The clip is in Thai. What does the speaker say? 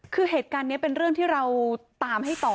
คือเหตุการณ์นี้เป็นเรื่องที่เราตามให้ต่อ